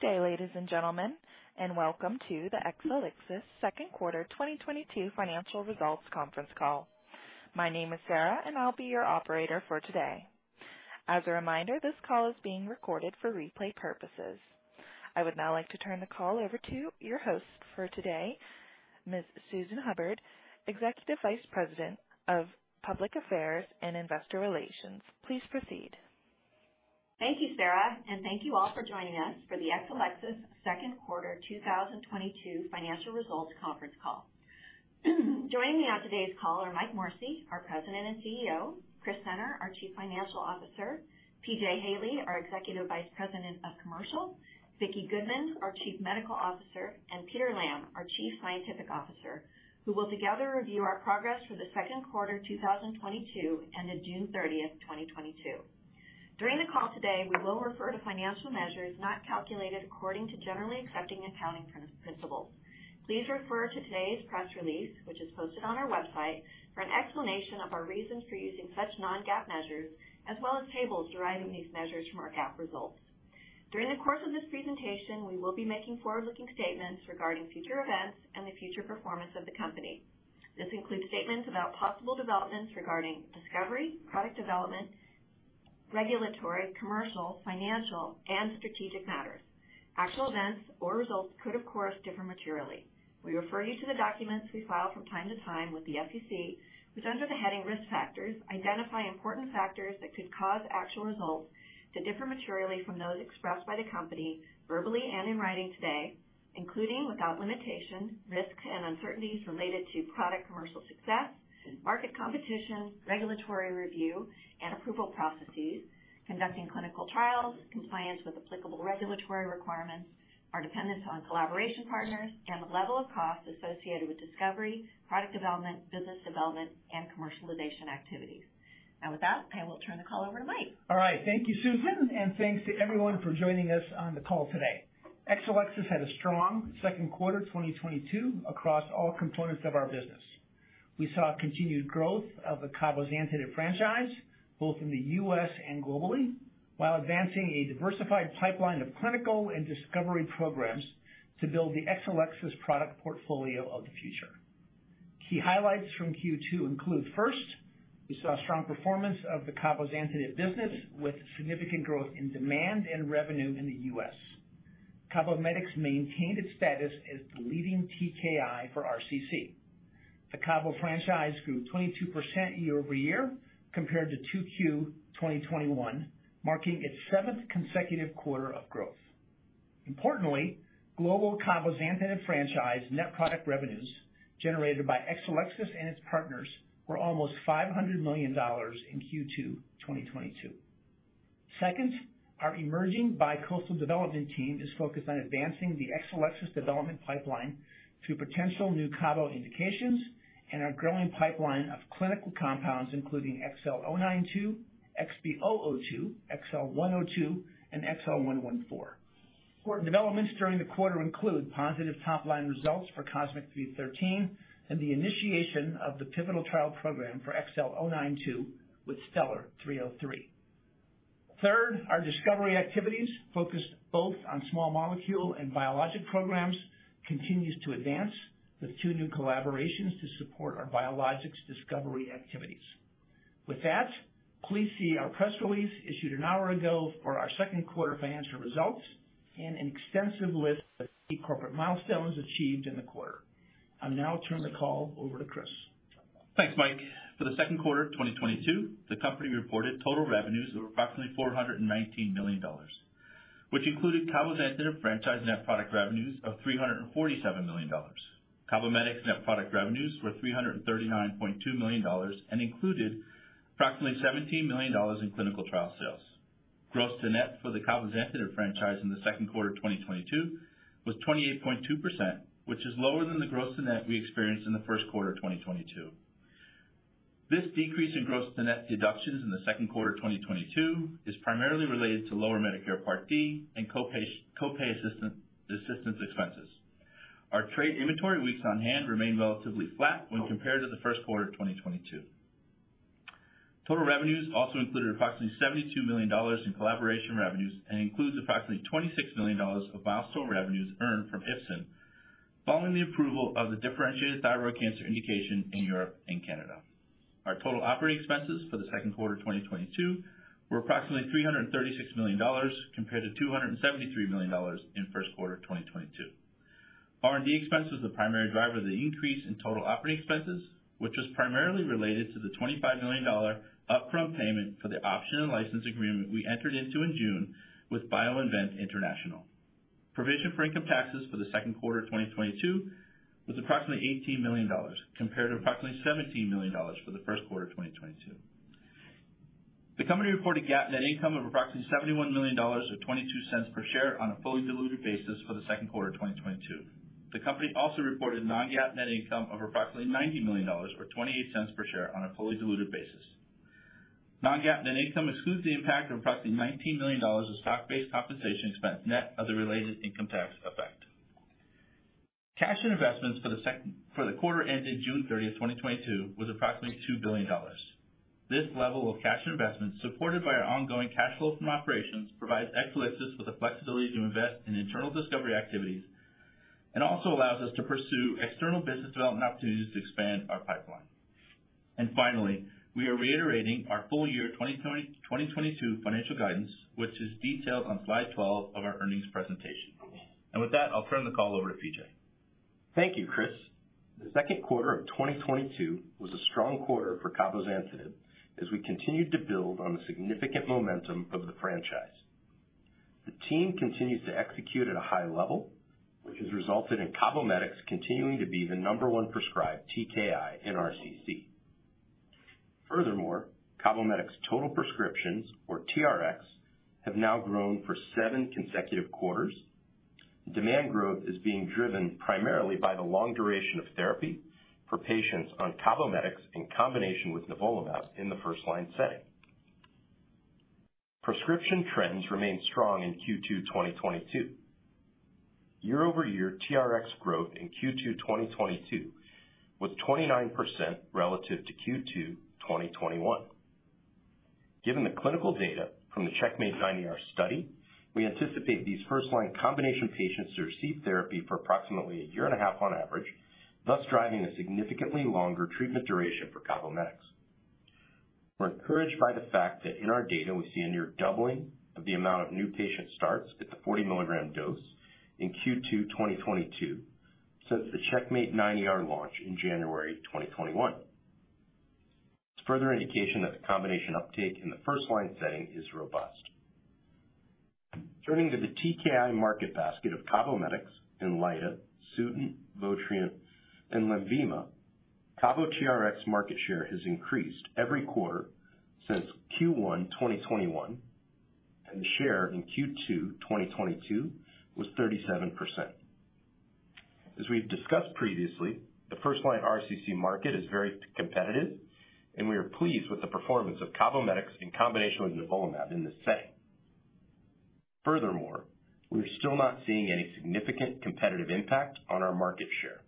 Good day, ladies and gentlemen, and welcome to the Exelixis second quarter 2022 financial results conference call. My name is Sarah, and I'll be your operator for today. As a reminder, this call is being recorded for replay purposes. I would now like to turn the call over to your host for today, Ms. Susan Hubbard, Executive Vice President of Public Affairs and Investor Relations. Please proceed. Thank you, Sarah, and thank you all for joining us for the Exelixis second quarter 2022 financial results conference call. Joining me on today's call are Mike Morrissey, our President and CEO, Chris Senner, our Chief Financial Officer, P.J. Haley, our Executive Vice President of Commercial, Vicki Goodman, our Chief Medical Officer, and Peter Lamb, our Chief Scientific Officer, who will together review our progress for the second quarter 2022 ended June 30, 2022. During the call today, we will refer to financial measures not calculated according to generally accepted accounting principles. Please refer to today's press release, which is posted on our website, for an explanation of our reasons for using such non-GAAP measures, as well as tables deriving these measures from our GAAP results. During the course of this presentation, we will be making forward-looking statements regarding future events and the future performance of the company. This includes statements about possible developments regarding discovery, product development, regulatory, commercial, financial, and strategic matters. Actual events or results could, of course, differ materially. We refer you to the documents we file from time to time with the SEC, which under the heading Risk Factors, identify important factors that could cause actual results to differ materially from those expressed by the company verbally and in writing today, including without limitation, risks and uncertainties related to product commercial success, market competition, regulatory review and approval processes, conducting clinical trials, compliance with applicable regulatory requirements, our dependence on collaboration partners, and the level of costs associated with discovery, product development, business development, and commercialization activities. With that, I will turn the call over to Mike. All right. Thank you, Susan, and thanks to everyone for joining us on the call today. Exelixis had a strong second quarter 2022 across all components of our business. We saw continued growth of the cabozantinib franchise, both in the US and globally, while advancing a diversified pipeline of clinical and discovery programs to build the Exelixis product portfolio of the future. Key highlights from Q2 include, first, we saw strong performance of the cabozantinib business with significant growth in demand and revenue in the US. CABOMETYX maintained its status as the leading TKI for RCC. The cabo franchise grew 22% year-over-year compared to 2Q 2021, marking its seventh consecutive quarter of growth. Importantly, global cabozantinib franchise net product revenues generated by Exelixis and its partners were almost $500 million in Q2 2022. Second, our emerging bi-coastal development team is focused on advancing the Exelixis development pipeline to potential new cabo indications and our growing pipeline of clinical compounds, including XL092, XB002, XL102, and XL114. Important developments during the quarter include positive top-line results for COSMIC-313 and the initiation of the pivotal trial program for XL092 with STELLAR-303. Third, our discovery activities focused both on small molecule and biologic programs, continues to advance with two new collaborations to support our biologics discovery activities. With that, please see our press release issued an hour ago for our second quarter financial results and an extensive list of key corporate milestones achieved in the quarter. I'll now turn the call over to Chris. Thanks, Mike. For the second quarter of 2022, the company reported total revenues of approximately $419 million, which included cabozantinib franchise net product revenues of $347 million. CABOMETYX net product revenues were $339.2 million and included approximately $17 million in clinical trial sales. Gross to net for the cabozantinib franchise in the second quarter of 2022 was 28.2%, which is lower than the gross to net we experienced in the first quarter of 2022. This decrease in gross to net deductions in the second quarter of 2022 was primarily related to lower Medicare Part D and copay assistance expenses. Our trade inventory weeks on hand remained relatively flat when compared to the first quarter of 2022. Total revenues also included approximately $72 million in collaboration revenues and includes approximately $26 million of milestone revenues earned from Ipsen following the approval of the differentiated thyroid cancer indication in Europe and Canada. Our total operating expenses for the second quarter of 2022 were approximately $336 million compared to $273 million in first quarter of 2022. R&D expenses, the primary driver of the increase in total operating expenses, which was primarily related to the $25 million upfront payment for the option and license agreement we entered into in June with BioInvent International. Provision for income taxes for the second quarter of 2022 was approximately $18 million, compared to approximately $17 million for the first quarter of 2022. The company reported GAAP net income of approximately $71 million or $0.22 per share on a fully diluted basis for the second quarter of 2022. The company also reported non-GAAP net income of approximately $90 million or $0.28 per share on a fully diluted basis. Non-GAAP net income excludes the impact of approximately $19 million of stock-based compensation expense net of the related income tax effect. Cash and investments for the quarter ended June 30, 2022 was approximately $2 billion. This level of cash and investment, supported by our ongoing cash flow from operations, provides Exelixis with the flexibility to invest in internal discovery activities and also allows us to pursue external business development opportunities to expand our pipeline. Finally, we are reiterating our full year 2022 financial guidance, which is detailed on slide 12 of our earnings presentation. With that, I'll turn the call over to P.J. Thank you, Chris. The second quarter of 2022 was a strong quarter for cabozantinib as we continued to build on the significant momentum of the franchise. The team continues to execute at a high level, which has resulted in CABOMETYX continuing to be the number one prescribed TKI in RCC. Furthermore, CABOMETYX total prescriptions, or TRXs, have now grown for seven consecutive quarters. Demand growth is being driven primarily by the long duration of therapy for patients on CABOMETYX in combination with nivolumab in the first line setting. Prescription trends remained strong in Q2 2022. Year over year TRX growth in Q2 2022 was 29% relative to Q2 2021. Given the clinical data from the CheckMate 9ER study, we anticipate these first-line combination patients to receive therapy for approximately a year and a half on average, thus driving a significantly longer treatment duration for CABOMETYX. We're encouraged by the fact that in our data we see a near doubling of the amount of new patient starts at the 40-mg dose in Q2 2022 since the CheckMate 9ER launch in January 2021. It's further indication that the combination uptake in the first-line setting is robust. Turning to the TKI market basket of CABOMETYX, Inlyta, Sutent, Votrient, and Lenvima, Cabo TRX market share has increased every quarter since Q1 2021, and share in Q2 2022 was 37%. As we've discussed previously, the first-line RCC market is very competitive and we are pleased with the performance of CABOMETYX in combination with nivolumab in this setting. Furthermore, we are still not seeing any significant competitive impact on our market share.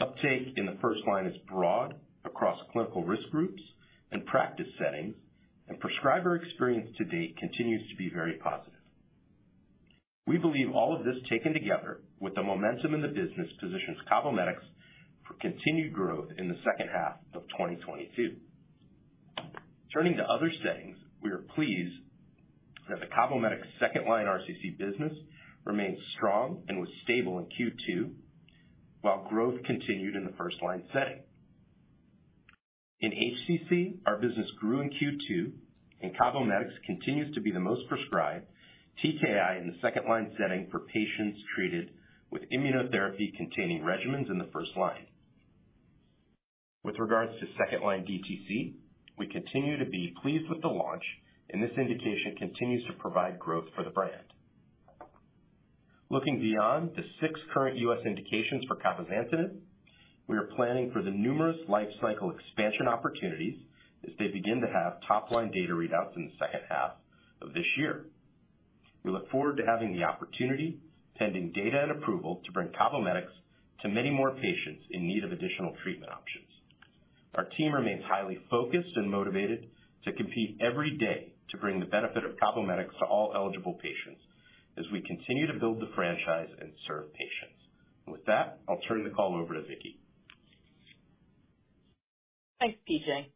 Uptake in the first line is broad across clinical risk groups and practice settings, and prescriber experience to date continues to be very positive. We believe all of this taken together with the momentum in the business positions CABOMETYX for continued growth in the second half of 2022. Turning to other settings, we are pleased that the CABOMETYX second line RCC business remains strong and was stable in Q2, while growth continued in the first line setting. In HCC, our business grew in Q2, and CABOMETYX continues to be the most prescribed TKI in the second line setting for patients treated with immunotherapy-containing regimens in the first line. With regards to second-line DTC, we continue to be pleased with the launch, and this indication continues to provide growth for the brand. Looking beyond the six current U.S. indications for cabozantinib, we are planning for the numerous life cycle expansion opportunities as they begin to have top-line data readouts in the second half of this year. We look forward to having the opportunity, pending data and approval, to bring CABOMETYX to many more patients in need of additional treatment options. Our team remains highly focused and motivated to compete every day to bring the benefit of CABOMETYX to all eligible patients as we continue to build the franchise and serve patients. With that, I'll turn the call over to Vicki. Thanks, P.J.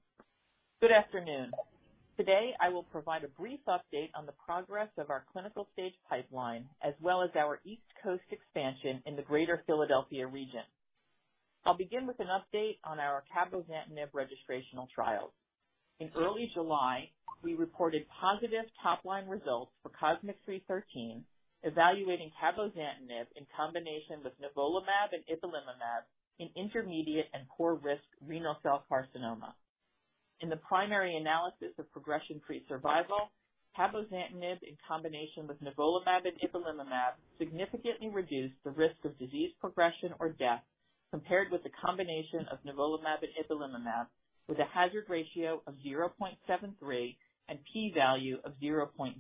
Good afternoon. Today, I will provide a brief update on the progress of our clinical-stage pipeline, as well as our East Coast expansion in the Greater Philadelphia region. I'll begin with an update on our cabozantinib registrational trial. In early July, we reported positive top-line results for COSMIC-313, evaluating cabozantinib in combination with nivolumab and ipilimumab in intermediate- and poor-risk renal cell carcinoma. In the primary analysis of progression-free survival, cabozantinib in combination with nivolumab and ipilimumab significantly reduced the risk of disease progression or death compared with the combination of nivolumab and ipilimumab, with a hazard ratio of 0.73 and P value of 0.01.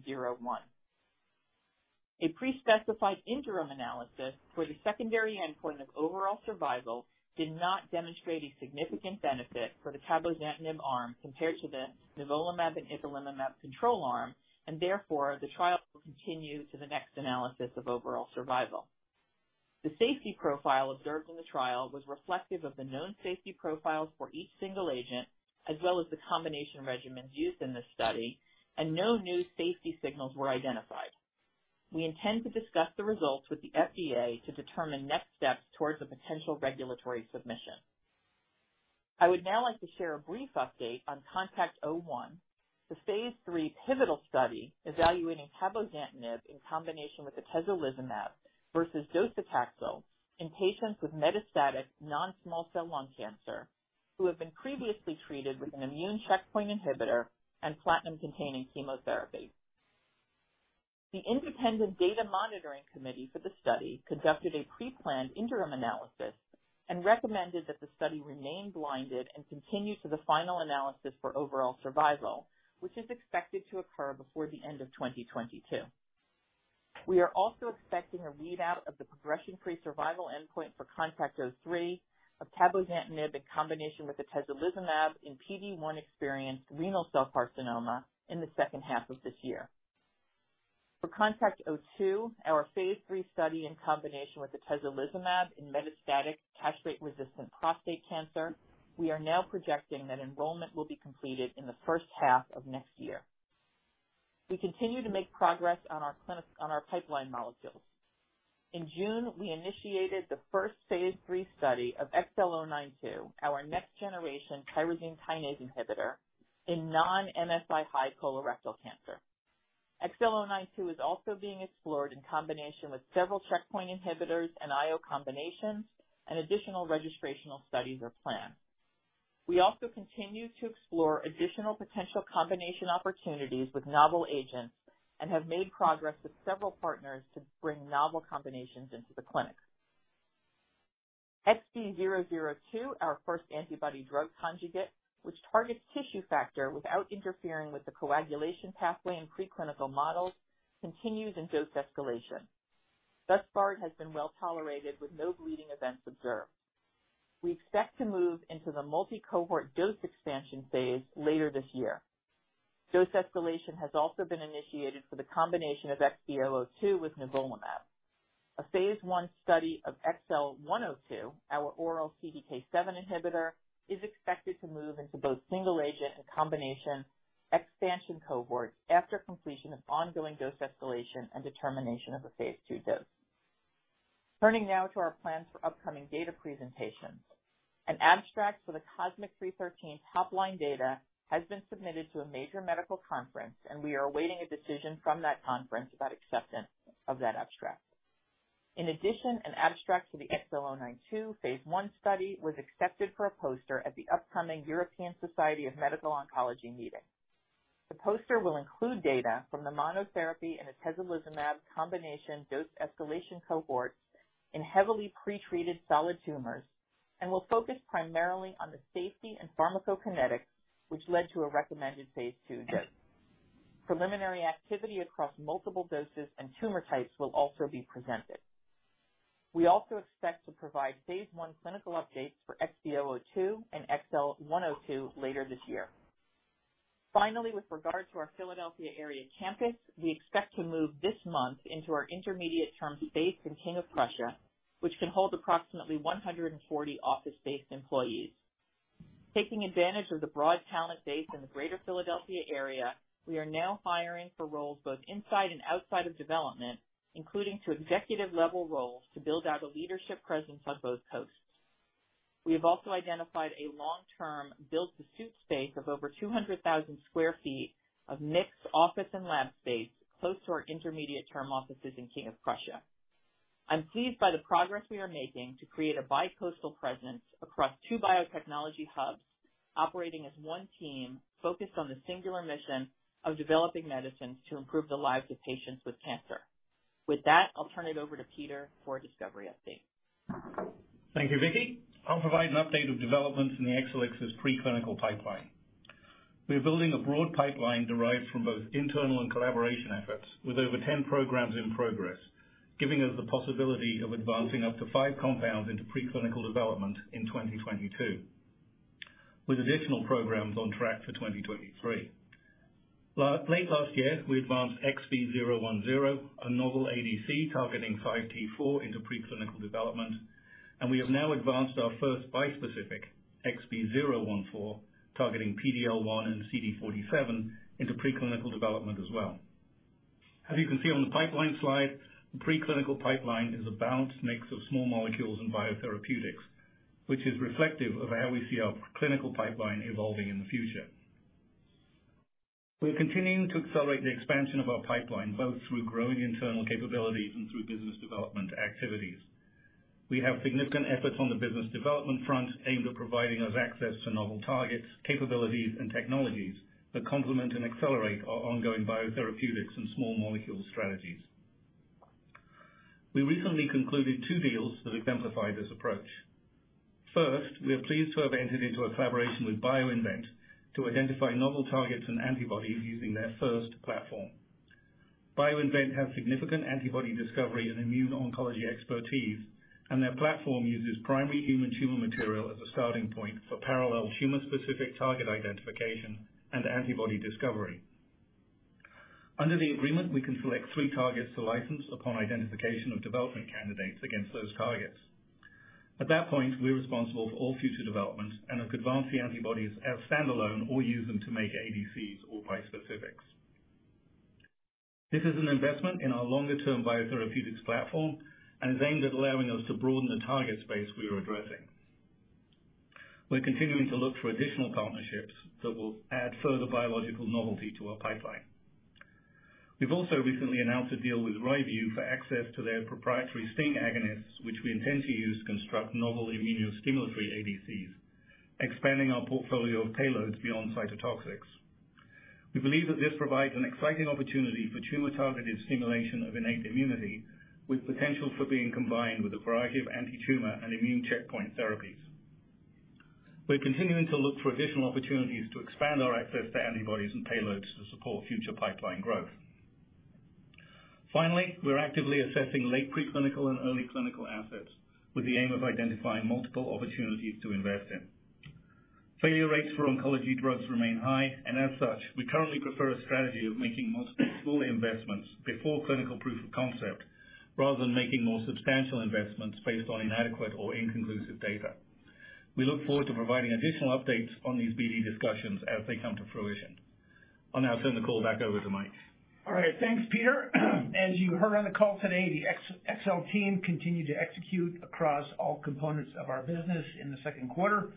A pre-specified interim analysis for the secondary endpoint of overall survival did not demonstrate a significant benefit for the cabozantinib arm compared to the nivolumab and ipilimumab control arm, and therefore, the trial will continue to the next analysis of overall survival. The safety profile observed in the trial was reflective of the known safety profiles for each single agent, as well as the combination regimens used in this study, and no new safety signals were identified. We intend to discuss the results with the FDA to determine next steps towards a potential regulatory submission. I would now like to share a brief update on CONTACT-01, the phase III pivotal study evaluating cabozantinib in combination with atezolizumab versus docetaxel in patients with metastatic non-small cell lung cancer who have been previously treated with an immune checkpoint inhibitor and platinum-containing chemotherapy. The independent data monitoring committee for the study conducted a pre-planned interim analysis and recommended that the study remain blinded and continue to the final analysis for overall survival, which is expected to occur before the end of 2022. We are also expecting a read-out of the progression-free survival endpoint for CONTACT-03 of cabozantinib in combination with atezolizumab in PD-1-experienced renal cell carcinoma in the second half of this year. For CONTACT-02, our phase III study in combination with atezolizumab in metastatic castrate-resistant prostate cancer, we are now projecting that enrollment will be completed in the first half of next year. We continue to make progress on our pipeline molecules. In June, we initiated the first phase III study of XL092, our next-generation tyrosine kinase inhibitor in non-MSI-H colorectal cancer. XL092 is also being explored in combination with several checkpoint inhibitors and IO combinations, and additional registrational studies are planned. We also continue to explore additional potential combination opportunities with novel agents and have made progress with several partners to bring novel combinations into the clinic. XB002, our first antibody drug conjugate, which targets tissue factor without interfering with the coagulation pathway in preclinical models, continues in dose escalation. Thus far, it has been well-tolerated with no bleeding events observed. We expect to move into the multi-cohort dose expansion phase later this year. Dose escalation has also been initiated for the combination of XB002 with nivolumab. A phase I study of XL102, our oral CDK7 inhibitor, is expected to move into both single agent and combination expansion cohorts after completion of ongoing dose escalation and determination of a phase II dose. Turning now to our plans for upcoming data presentations. An abstract for the COSMIC-313 top line data has been submitted to a major medical conference, and we are awaiting a decision from that conference about acceptance of that abstract. In addition, an abstract for the XL092 phase I study was accepted for a poster at the upcoming European Society of Medical Oncology meeting. The poster will include data from the monotherapy and atezolizumab combination dose escalation cohort in heavily pre-treated solid tumors and will focus primarily on the safety and pharmacokinetics which led to a recommended phase II dose. Preliminary activity across multiple doses and tumor types will also be presented. We also expect to provide phase I clinical updates for XB002 and XL102 later this year. Finally, with regard to our Philadelphia area campus, we expect to move this month into our intermediate-term space in King of Prussia, which can hold approximately 140 office-based employees. Taking advantage of the broad talent base in the Greater Philadelphia area, we are now hiring for roles both inside and outside of development, including to executive-level roles, to build out a leadership presence on both coasts. We have also identified a long-term build-to-suit space of over 200,000 sq ft of mixed office and lab space close to our intermediate-term offices in King of Prussia. I'm pleased by the progress we are making to create a bi-coastal presence across two biotechnology hubs operating as one team focused on the singular mission of developing medicines to improve the lives of patients with cancer. With that, I'll turn it over to Peter for a discovery update. Thank you, Vicki. I'll provide an update of developments in the Exelixis preclinical pipeline. We are building a broad pipeline derived from both internal and collaboration efforts, with over 10 programs in progress, giving us the possibility of advancing up to five compounds into preclinical development in 2022, with additional programs on track for 2023. Late last year, we advanced XB010, a novel ADC targeting 5T4 into preclinical development, and we have now advanced our first bispecific, XB014, targeting PD-L1 and CD47 into preclinical development as well. As you can see on the pipeline slide, the preclinical pipeline is a balanced mix of small molecules and biotherapeutics, which is reflective of how we see our clinical pipeline evolving in the future. We're continuing to accelerate the expansion of our pipeline, both through growing internal capabilities and through business development activities. We have significant efforts on the business development front aimed at providing us access to novel targets, capabilities, and technologies that complement and accelerate our ongoing biotherapeutics and small molecule strategies. We recently concluded two deals that exemplify this approach. First, we are pleased to have entered into a collaboration with BioInvent to identify novel targets and antibodies using their first platform. BioInvent has significant antibody discovery and immuno-oncology expertise, and their platform uses primary human tumor material as a starting point for parallel tumor-specific target identification and antibody discovery. Under the agreement, we can select three targets to license upon identification of development candidates against those targets. At that point, we're responsible for all future development and have advanced the antibodies as standalone or use them to make ADCs or bispecifics. This is an investment in our longer-term biotherapeutics platform and is aimed at allowing us to broaden the target space we are addressing. We're continuing to look for additional partnerships that will add further biological novelty to our pipeline. We've also recently announced a deal with Ryvu for access to their proprietary STING agonists, which we intend to use to construct novel immunostimulatory ADCs, expanding our portfolio of payloads beyond cytotoxics. We believe that this provides an exciting opportunity for tumor-targeted stimulation of innate immunity, with potential for being combined with a variety of antitumor and immune checkpoint therapies. We're continuing to look for additional opportunities to expand our access to antibodies and payloads to support future pipeline growth. Finally, we're actively assessing late preclinical and early clinical assets with the aim of identifying multiple opportunities to invest in. Failure rates for oncology drugs remain high, and as such, we currently prefer a strategy of making multiple small investments before clinical proof of concept, rather than making more substantial investments based on inadequate or inconclusive data. We look forward to providing additional updates on these BD discussions as they come to fruition. I'll now turn the call back over to Mike. All right. Thanks, Peter. As you heard on the call today, the Exelixis team continued to execute across all components of our business in the second quarter,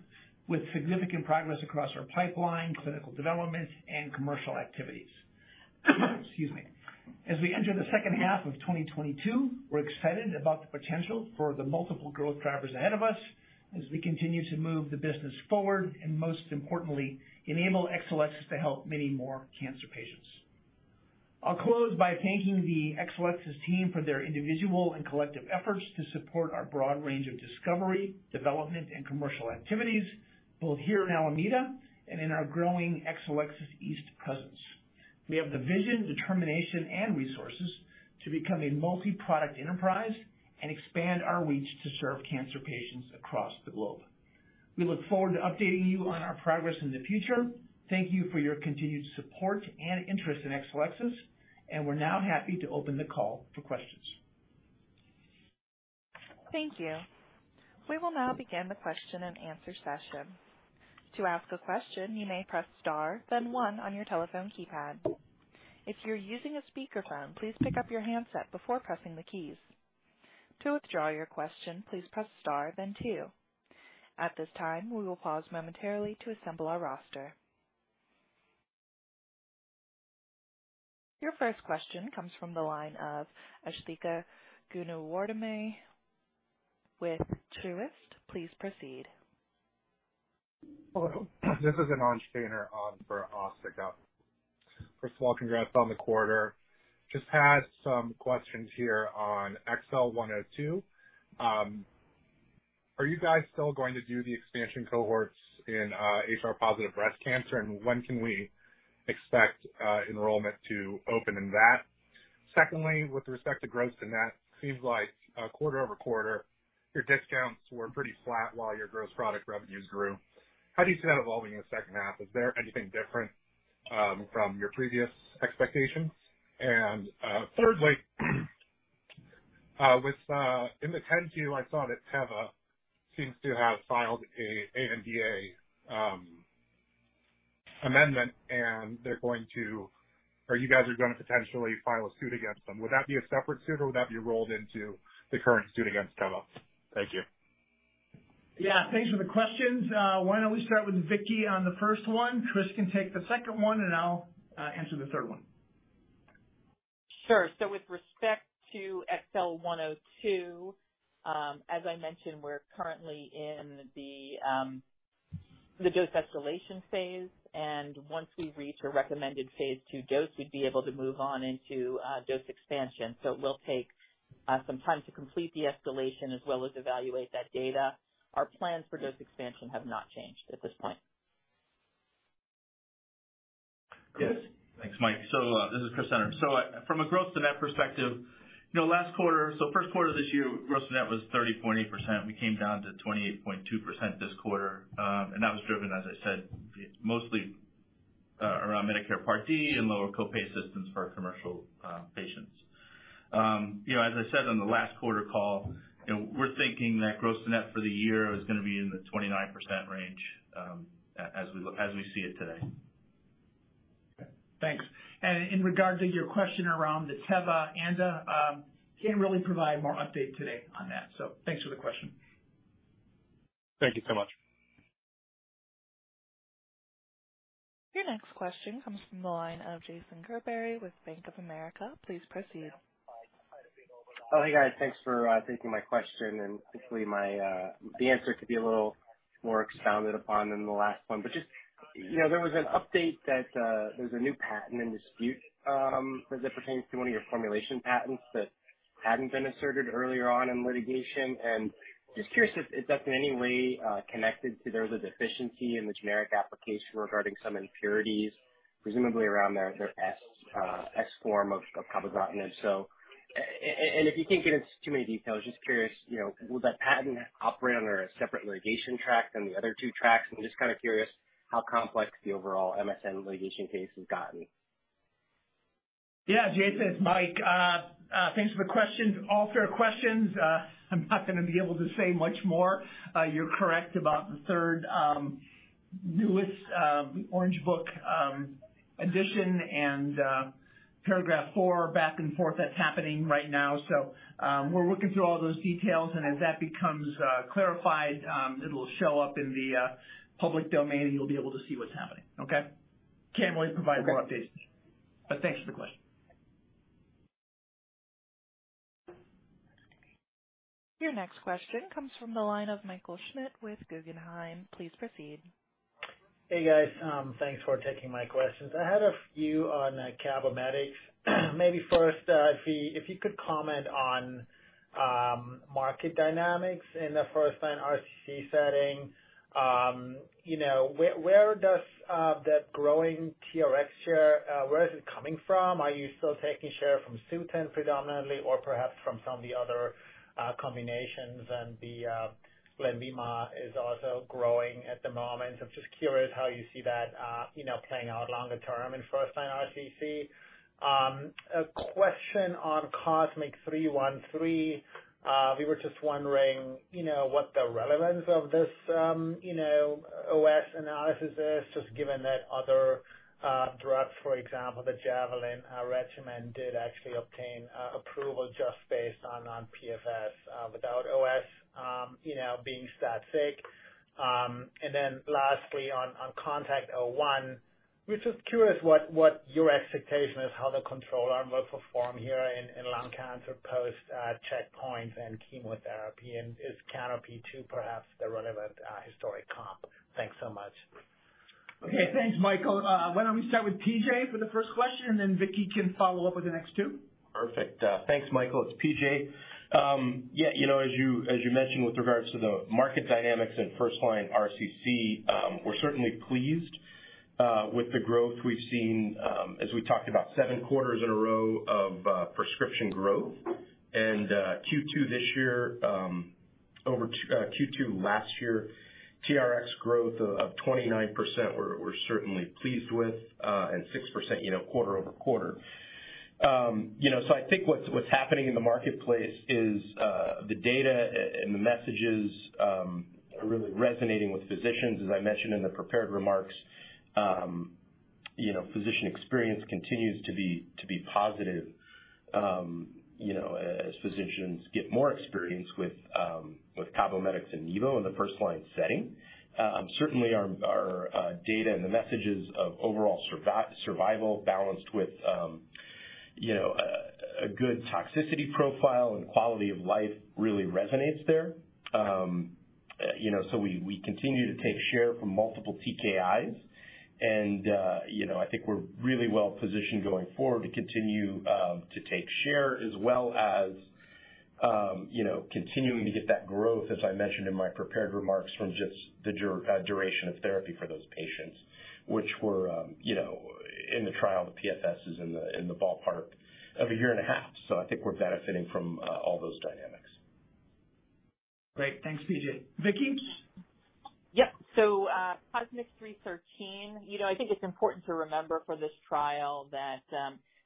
with significant progress across our pipeline, clinical development, and commercial activities. Excuse me. As we enter the second half of 2022, we're excited about the potential for the multiple growth drivers ahead of us as we continue to move the business forward, and most importantly, enable Exelixis to help many more cancer patients. I'll close by thanking the Exelixis team for their individual and collective efforts to support our broad range of discovery, development, and commercial activities, both here in Alameda and in our growing Exelixis East presence. We have the vision, determination, and resources to become a multi-product enterprise and expand our reach to serve cancer patients across the globe. We look forward to updating you on our progress in the future. Thank you for your continued support and interest in Exelixis, and we're now happy to open the call for questions. Thank you. We will now begin the question-and-answer session. To ask a question, you may press star then one on your telephone keypad. If you're using a speakerphone, please pick up your handset before pressing the keys. To withdraw your question, please press star then two. At this time, we will pause momentarily to assemble our roster. Your first question comes from the line of Asthika Goonewardene with Truist. Please proceed. Hello. This is Anant Paner for Asthika. First of all, congrats on the quarter. Just had some questions here on XL102. Are you guys still going to do the expansion cohorts in HR+ breast cancer? And when can we expect enrollment to open in that? Secondly, with respect to gross to net, seems like quarter-over-quarter, your discounts were pretty flat while your gross product revenues grew. How do you see that evolving in the second half? Is there anything different from your previous expectations? Thirdly, in the 10-Q, I saw that Teva seems to have filed an ANDA amendment, and or you guys are gonna potentially file a suit against them. Would that be a separate suit or would that be rolled into the current suit against Teva? Thank you. Yeah. Thanks for the questions. Why don't we start with Vicki on the first one? Chris can take the second one, and I'll answer the third one. Sure. With respect to XL102, as I mentioned, we're currently in the dose escalation phase, and once we reach a recommended phase II dose, we'd be able to move on into dose expansion. It will take some time to complete the escalation as well as evaluate that data. Our plans for dose expansion have not changed at this point. Chris? Thanks, Mike. This is Chris Senner. From a gross to net perspective, you know, last quarter first quarter this year, gross to net was 30.8%. We came down to 28.2% this quarter, and that was driven, as I said, mostly, around Medicare Part D and lower co-pay systems for our commercial patients. You know, as I said on the last quarter call, you know, we're thinking that gross to net for the year is gonna be in the 29% range, as we see it today. Okay. Thanks. In regards to your question around the Teva ANDA, can't really provide more update today on that. Thanks for the question. Thank you so much. Your next question comes from the line of Jason Gerberry with Bank of America. Please proceed. Oh, hey, guys. Thanks for taking my question, and hopefully the answer could be a little more expounded upon than the last one. Just, you know, there was an update that there's a new patent in dispute, as it pertains to one of your formulation patents that hadn't been asserted earlier on in litigation. Just curious if that's in any way connected to there was a deficiency in the generic application regarding some impurities, presumably around their S form of cabozantinib. If you can't get into too many details, just curious, you know, would that patent operate under a separate litigation track than the other two tracks? I'm just kinda curious how complex the overall ANDA litigation case has gotten. Yeah, Jason, it's Mike. Thanks for the questions. All fair questions. I'm not gonna be able to say much more. You're correct about the third newest Orange Book edition and Paragraph IV back and forth that's happening right now. We're working through all those details, and as that becomes clarified, it'll show up in the public domain, and you'll be able to see what's happening. Okay. Can't really provide more updates. Okay. Thanks for the question. Your next question comes from the line of Michael Schmidt with Guggenheim. Please proceed. Hey, guys. Thanks for taking my questions. I had a few on CABOMETYX. Maybe first, if you could comment on market dynamics in the first-line RCC setting. You know, where does the growing TRX share come from? Are you still taking share from Sutent predominantly or perhaps from some of the other combinations, and Lenvima is also growing at the moment. I'm just curious how you see that, you know, playing out longer term in first-line RCC. A question on COSMIC-313. We were just wondering, you know, what the relevance of this OS analysis is, just given that other drugs, for example, the JAVELIN regimen did actually obtain approval just based on PFS, without OS being stat sig. Lastly, on CONTACT-01, we're just curious what your expectation is how the control arm will perform here in lung cancer post checkpoint and chemotherapy, and is CANOPY-2 perhaps the relevant historical comp? Thanks so much. Okay, thanks, Michael. Why don't we start with P.J. for the first question, and then Vicki can follow up with the next two. Perfect. Thanks, Michael. It's P.J. Yeah, you know, as you mentioned, with regards to the market dynamics in first-line RCC, we're certainly pleased with the growth we've seen, as we talked about seven quarters in a row of prescription growth. Q2 this year over Q2 last year, TRX growth of 29% we're certainly pleased with, and 6% quarter-over-quarter. You know, I think what's happening in the marketplace is the data and the messages are really resonating with physicians. As I mentioned in the prepared remarks, you know, physician experience continues to be positive. You know, as physicians get more experience with CABOMETYX and Nivo in the first-line setting. Certainly our data and the messages of overall survival balanced with, you know, a good toxicity profile and quality of life really resonates there. You know, we continue to take share from multiple TKIs, and, you know, I think we're really well positioned going forward to continue to take share as well as, you know, continuing to get that growth, as I mentioned in my prepared remarks, from just the duration of therapy for those patients, which were, you know, in the trial, the PFS is in the ballpark of a 1.5 Year. I think we're benefiting from all those dynamics. Great. Thanks, P.J. Vicki? Yeah. COSMIC-313, you know, I think it's important to remember for this trial that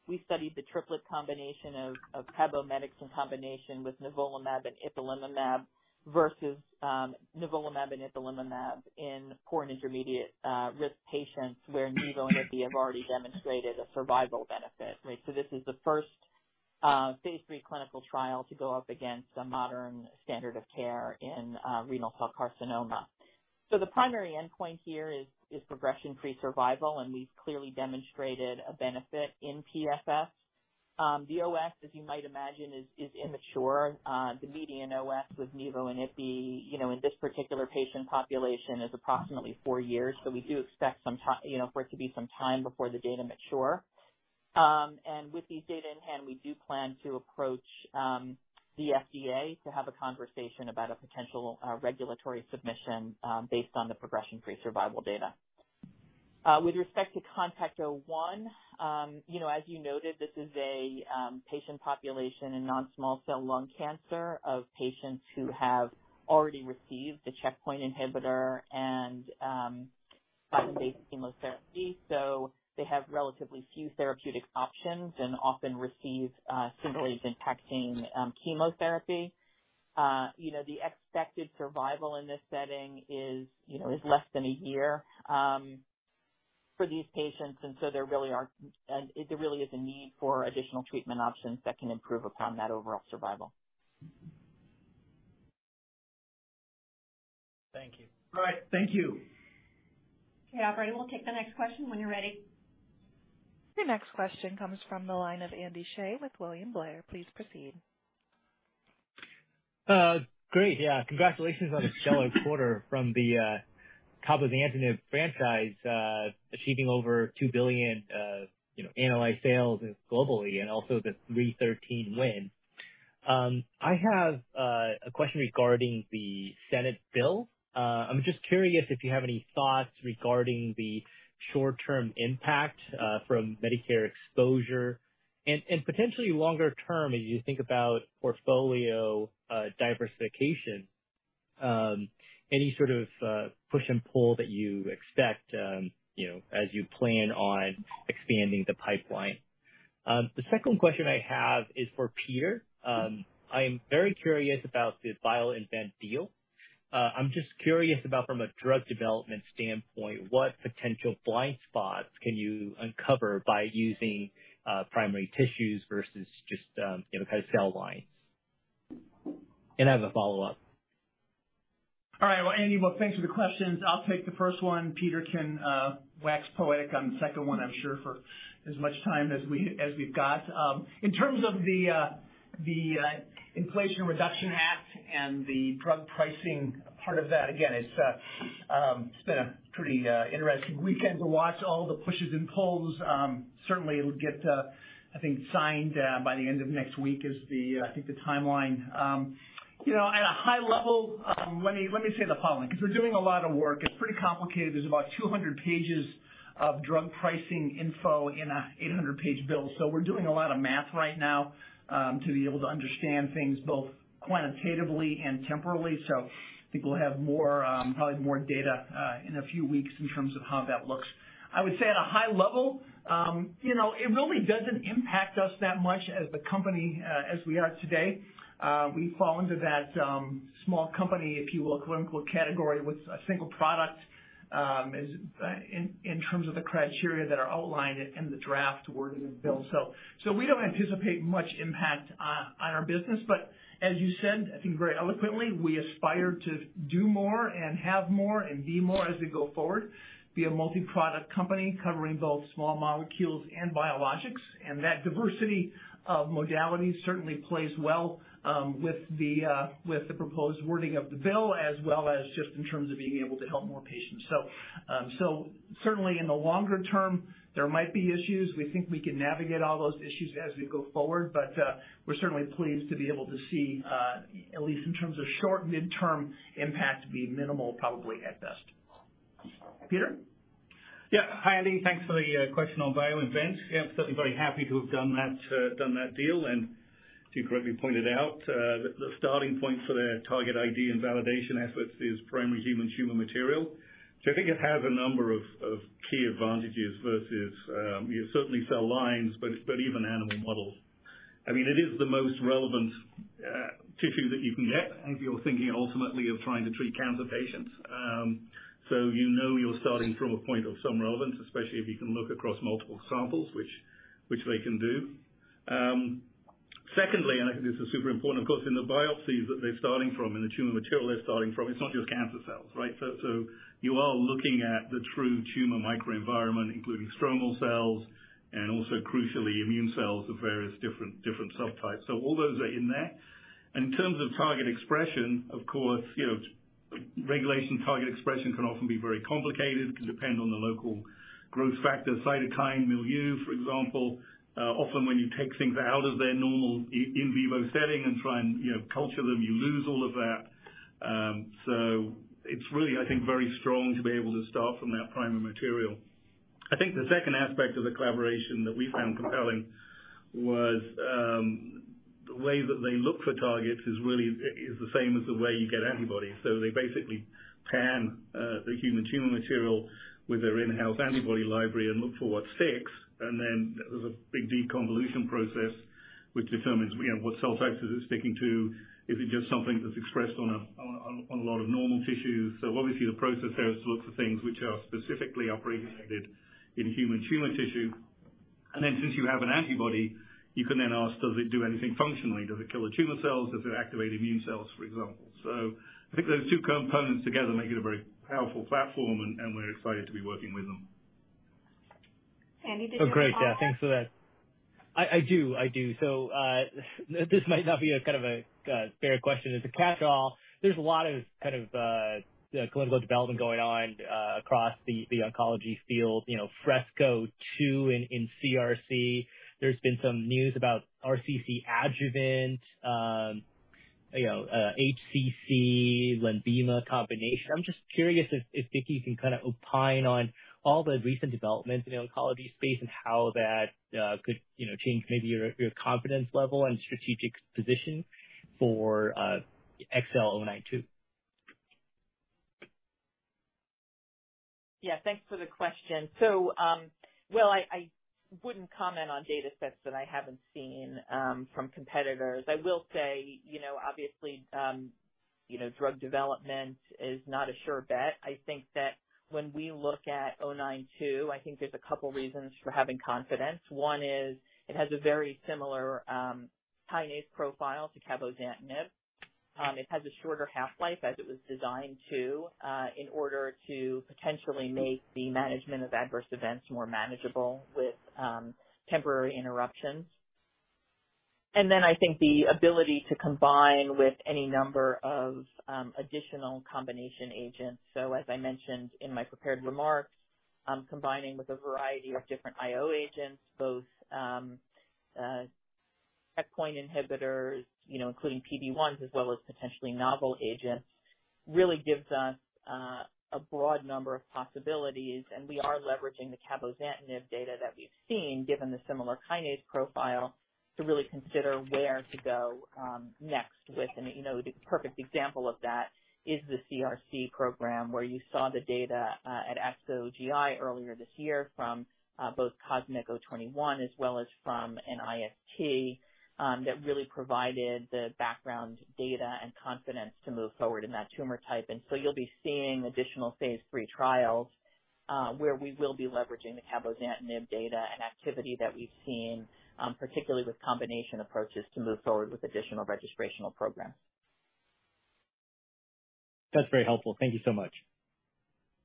we studied the triplet combination of CABOMETYX in combination with nivolumab and ipilimumab versus nivolumab and ipilimumab in poor and intermediate risk patients where Nivo and Ipi have already demonstrated a survival benefit. Right, this is the first phase III clinical trial to go up against a modern standard of care in renal cell carcinoma. The primary endpoint here is progression-free survival, and we've clearly demonstrated a benefit in PFS. The OS, as you might imagine, is immature. The median OS with Nivo and Ipi, you know, in this particular patient population is approximately four years, so we do expect, you know, for it to be some time before the data mature. With these data in hand, we do plan to approach the FDA to have a conversation about a potential regulatory submission based on the progression-free survival data. With respect to CONTACT-01, you know, as you noted, this is a patient population in non-small cell lung cancer of patients who have already received a checkpoint inhibitor and platinum-based chemotherapy, so they have relatively few therapeutic options and often receive simply platinum-based chemotherapy. You know, the expected survival in this setting is less than a year for these patients, and so it really is a need for additional treatment options that can improve upon that overall survival. Thank you. All right. Thank you. Okay, operator, we'll take the next question when you're ready. Your next question comes from the line of Andy Shah with William Blair. Please proceed. Great. Yeah. Congratulations on a stellar quarter from the CABOMETYX franchise, achieving over $2 billion annualized sales globally and also the COSMIC-313 win. I have a question regarding the Senate bill. I'm just curious if you have any thoughts regarding the short-term impact from Medicare exposure and potentially longer term, as you think about portfolio diversification, any sort of push and pull that you expect, you know, as you plan on expanding the pipeline. The second question I have is for Peter. I'm very curious about the BioInvent deal. I'm just curious about from a drug development standpoint, what potential blind spots can you uncover by using primary tissues versus just, you know, kind of cell lines? I have a follow-up. All right. Well, Andy, thanks for the questions. I'll take the first one. Peter can wax poetic on the second one, I'm sure, for as much time as we've got. In terms of the Inflation Reduction Act and the drug pricing part of that, again, it's been a pretty interesting weekend to watch all the pushes and pulls. Certainly it'll get, I think, signed by the end of next week is the, I think, the timeline. You know, at a high level, let me say the following, 'cause we're doing a lot of work. It's pretty complicated. There's about 200 pages of drug pricing info in an 800-page bill. We're doing a lot of math right now, to be able to understand things both quantitatively and temporally. I think we'll have more, probably more data, in a few weeks in terms of how that looks. I would say at a high level, you know, it really doesn't impact us that much as the company, as we are today. We fall into that, small company, if you will, clinical category with a single product, as in terms of the criteria that are outlined in the draft wording of the bill. We don't anticipate much impact on our business. As you said, I think very eloquently, we aspire to do more and have more and be more as we go forward, be a multi-product company covering both small molecules and biologics. That diversity of modalities certainly plays well with the proposed wording of the bill, as well as just in terms of being able to help more patients. Certainly in the longer term, there might be issues. We think we can navigate all those issues as we go forward, but we're certainly pleased to be able to see at least in terms of short and mid-term impact, be minimal, probably at best. Peter? Yeah. Hi, Andy. Thanks for the question on BioInvent. Yeah, I'm certainly very happy to have done that deal. As you correctly pointed out, the starting point for their target ID and validation efforts is primary human tumor material. So I think it has a number of key advantages versus you know certainly cell lines, but even animal models. I mean, it is the most relevant tissue that you can get if you're thinking ultimately of trying to treat cancer patients. So you know you're starting from a point of some relevance, especially if you can look across multiple samples, which they can do. Secondly, and I think this is super important, of course, in the biopsies that they're starting from and the tumor material they're starting from, it's not just cancer cells, right? You are looking at the true tumor microenvironment, including stromal cells and also, crucially, immune cells of various different subtypes. All those are in there. In terms of target expression, of course, you know, regulated target expression can often be very complicated. It can depend on the local growth factor cytokine milieu, for example. Often when you take things out of their normal in vivo setting and try and, you know, culture them, you lose all of that. It's really, I think, very strong to be able to start from that primary material. I think the second aspect of the collaboration that we found compelling was the way that they look for targets is really the same as the way you get antibodies. They basically pan the human tumor material with their in-house antibody library and look for what sticks, and then there's a big deconvolution process which determines what cell factors it's sticking to. Is it just something that's expressed on a lot of normal tissues? Obviously the process there is to look for things which are specifically upregulated in human tumor tissue. Then since you have an antibody, you can then ask, does it do anything functionally? Does it kill the tumor cells? Does it activate immune cells, for example? I think those two components together make it a very powerful platform, and we're excited to be working with them. Andy Shah, did you have a follow up? Oh, great. Yeah, thanks for that. I do. This might not be kind of a fair question. As a catchall, there's a lot of kind of clinical development going on across the oncology field. You know, FRESCO-2 in CRC. There's been some news about RCC adjuvant, you know, HCC Lenvima combination. I'm just curious if Vicki can kind of opine on all the recent developments in the oncology space and how that could, you know, change maybe your confidence level and strategic position for XL092. Yeah. Thanks for the question. Well, I wouldn't comment on datasets that I haven't seen from competitors. I will say, you know, obviously, you know, drug development is not a sure bet. I think that when we look at XL092, I think there's a couple reasons for having confidence. One is it has a very similar kinase profile to cabozantinib. It has a shorter half-life as it was designed to in order to potentially make the management of adverse events more manageable with temporary interruptions. And then I think the ability to combine with any number of additional combination agents. As I mentioned in my prepared remarks, combining with a variety of different IO agents, both, checkpoint inhibitors, you know, including PD-1s as well as potentially novel agents, really gives us a broad number of possibilities. We are leveraging the cabozantinib data that we've seen, given the similar kinase profile, to really consider where to go next with. You know, the perfect example of that is the CRC program, where you saw the data at ASCO GI earlier this year from both COSMIC-021 as well as from NIFT that really provided the background data and confidence to move forward in that tumor type. You'll be seeing additional phase III trials, where we will be leveraging the cabozantinib data and activity that we've seen, particularly with combination approaches to move forward with additional registrational programs. That's very helpful. Thank you so much.